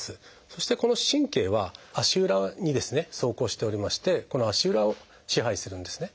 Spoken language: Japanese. そしてこの神経は足裏にですね走行しておりましてこの足裏を支配するんですね。